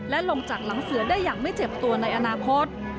และลงจากหลังเสือได้อย่างไม่เจ็บตัวในอนาคต